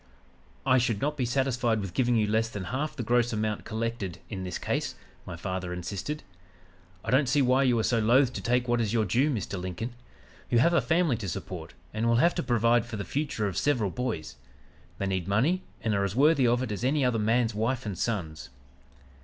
"'I should not be satisfied with giving you less than half the gross amount collected in this case,' my father insisted. 'I don't see why you are so loath to take what is your due, Mr. Lincoln. You have a family to support and will have to provide for the future of several boys. They need money and are as worthy of it as any other man's wife and sons.'